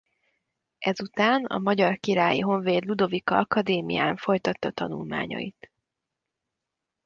Ezután a Magyar Királyi Honvéd Ludovika Akadémián folytatta tanulmányait.